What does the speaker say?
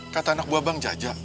kata anak buah bang jaja